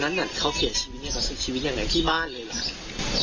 ตอนนั้นเขาเขียนชีวิตกับชีวิตอย่างไรที่บ้านเลยหรือ